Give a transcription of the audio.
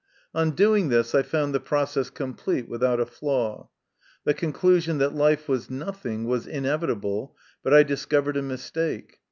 On doing this I found the process complete without a flaw. The conclusion that life was nothing was inevitable ; but I discovered a mistake.